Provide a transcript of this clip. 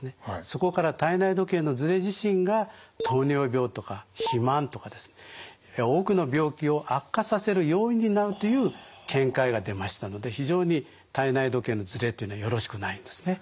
そこから体内時計のズレ自身が糖尿病とか肥満とか多くの病気を悪化させる要因になるという見解が出ましたので非常に体内時計のズレというのはよろしくないんですね。